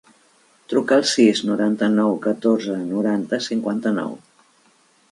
Truca al sis, noranta-nou, catorze, noranta, cinquanta-nou.